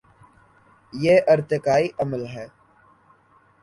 یہ ارتقائی عمل ہے۔